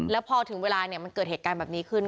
แล้วพอถึงเวลามันเกิดเหตุการณ์แบบนี้ขึ้น